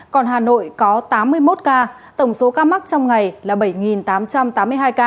còn hà nội có tám mươi một ca tổng số ca mắc trong ngày là bảy tám trăm tám mươi hai ca